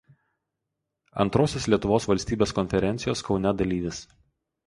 Antrosios Lietuvos Valstybės Konferencijos Kaune dalyvis.